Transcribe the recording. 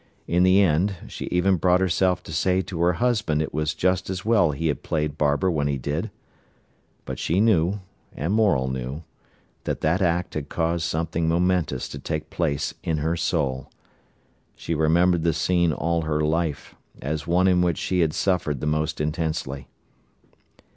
In the end, she even brought herself to say to her husband it was just as well he had played barber when he did. But she knew, and Morel knew, that that act had caused something momentous to take place in her soul. She remembered the scene all her life, as one in which she had suffered the most intensely.